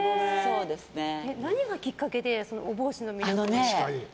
何がきっかけでお帽子の魅力を？